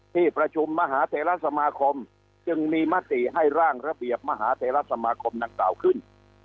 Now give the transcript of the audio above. ที่ประชุมมหาเทราสมาคมจึงมีมติให้ร่างระเบียบมหาเทราสมาคมดังกล่าวขึ้น